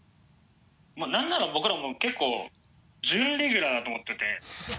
なんなら僕らも結構準レギュラーだと思ってて。